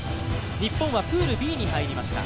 日本はプールＢに入りました。